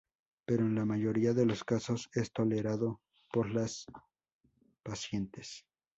Pero, en la mayoría de los casos, es tolerado por las pacientes.